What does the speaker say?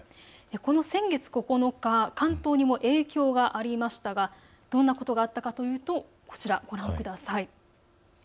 先月９日、関東にも影響がありましたがどんなことがあったというとこちらをご覧ください。